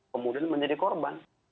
kemudian menjadi korban